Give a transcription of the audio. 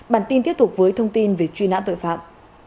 bản tin tiếp tục với thông tin về truy nã tội phạm